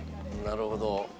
なるほど。